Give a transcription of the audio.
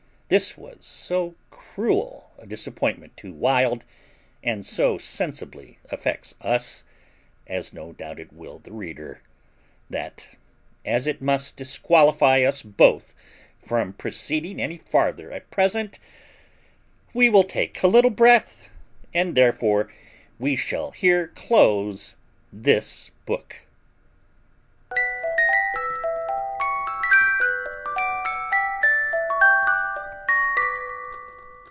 This was so cruel a disappointment to Wild, and so sensibly affects us, as no doubt it will the reader, that, as it must disqualify us both from proceeding any farther at present, we will now take a little breath, and therefore we shall here close this book.